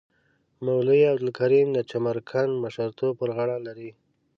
مولوی عبدالکریم د چمرکنډ مشرتوب پر غاړه لري.